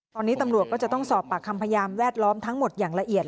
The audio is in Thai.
ตอนนี้ตำรวจก็จะต้องสอบปากคำพยานแวดล้อมทั้งหมดอย่างละเอียด